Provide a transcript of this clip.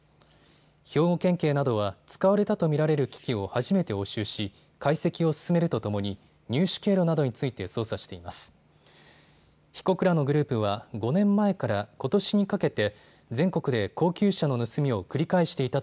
兵庫県警などは使われたと見られる機器を初めて押収し解析を進めるとともに入手経路などについて捜査しています。